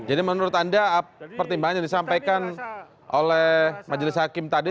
jadi menurut anda pertimbangan yang disampaikan oleh majelis hakim tadi